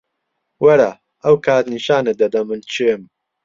وەرە، ئەو کات نیشانت دەدەم من کێم.